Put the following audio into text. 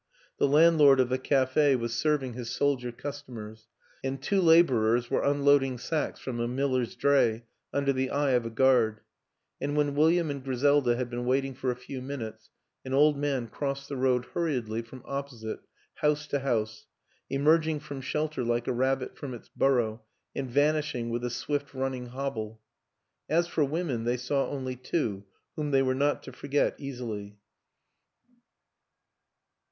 The landlord of the cafe was serving his soldier customers, and two labor ers were unloading sacks from a miller's dr ay under the eye of a guard; and when William and Griselda had been waiting for a few minutes an old man crossed the road hurriedly from opposite house to house emerging from shelter like a rabbit from its burrow and vanishing with a swift running hobble. As for women, they saw only two whom they were not to forget easily.